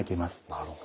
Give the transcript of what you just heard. なるほど。